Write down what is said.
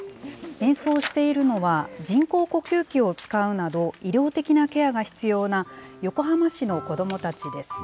演奏しているのは、人工呼吸器を使うなど医療的なケアが必要な横浜市の子どもたちです。